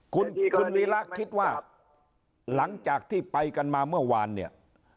คุณคุณวีระคิดว่าหลังจากที่ไปกันมาเมื่อวานเนี่ย